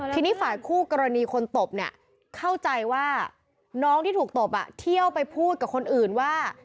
ทีนี้ฝ่ายคู่กรณีคนตบเนี่ยเข้าใจว่าน้องที่ถูกตบเที่ยวไปพูดกับคนอื่นว่า